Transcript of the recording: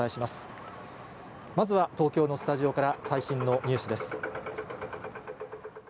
まずは東京のスタジオから、最新のニュースです。